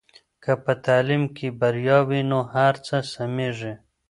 که په تعلیم کې بریا وي نو هر څه سمېږي.